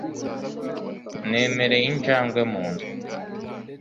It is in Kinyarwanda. nemereye injangwe mu nzu